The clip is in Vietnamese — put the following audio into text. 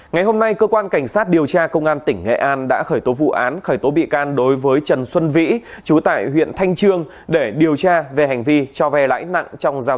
ngày hôm nay cơ quan cảnh sát điều tra công an tỉnh nghệ an đã khởi tổng